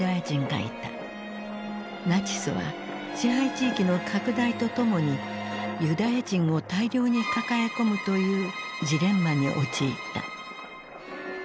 ナチスは支配地域の拡大とともにユダヤ人を大量に抱え込むというジレンマに陥った。